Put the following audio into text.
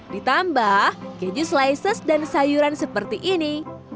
ditambah keju slices dan sayuran seperti ini